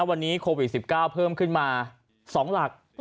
วันนี้โควิด๑๙เพิ่มขึ้นมา๒หลัก